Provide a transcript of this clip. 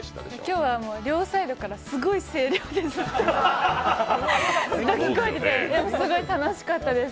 今日は両サイドからすごい声量で、すごい楽しかったです。